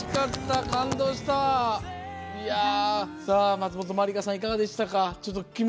松本まりかさんいかがでしたか？